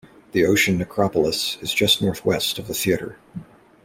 The ocean necropolis is just northwest of the theater.